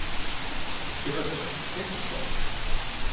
Det var såmænd en pæn historie!